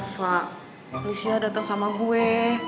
pak please ya dateng sama gue